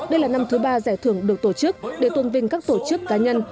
đây là năm thứ ba giải thưởng được tổ chức để tôn vinh các tổ chức cá nhân